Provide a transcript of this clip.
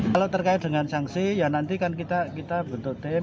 kalau terkait dengan sanksi nanti kita bentuk tim